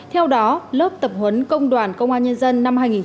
theo đó lớp tập huấn công đoàn công an nhân dân